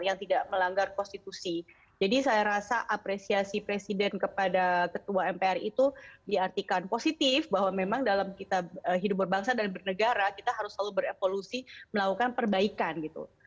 yang tidak melanggar konstitusi jadi saya rasa apresiasi presiden kepada ketua mpr itu diartikan positif bahwa memang dalam kita hidup berbangsa dan bernegara kita harus selalu berevolusi melakukan perbaikan gitu